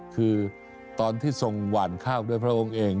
คือตอนที่ทรงหวานข้าวด้วยพระองค์เอง